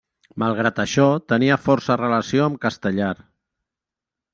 Malgrat això tenia força relació amb Castellar.